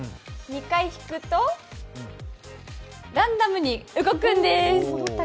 ２回引くと、ランダムに動くんです。